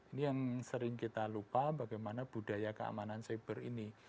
ini yang sering kita lupa bagaimana budaya keamanan cyber ini